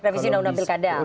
revisi undang undang pilkada